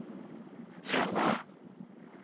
せやろな。